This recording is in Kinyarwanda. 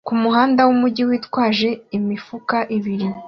kumuhanda wumujyi witwaje imifuka ibiri